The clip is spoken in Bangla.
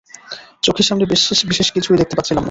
চোখের সামনে বিশেষ কিছুই দেখতে পাচ্ছিলাম না।